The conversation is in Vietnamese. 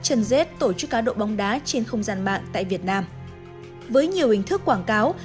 chân dết tổ chức cá độ bóng đá trên không gian mạng tại việt nam với nhiều hình thức quảng cáo